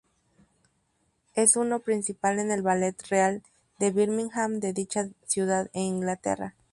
Es uno principal en el Ballet Real de Birmingham de dicha ciudad en Inglaterra.